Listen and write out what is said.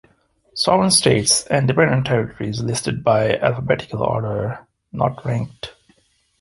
Sovereign states and dependent territories listed by alphabetical order, not ranked.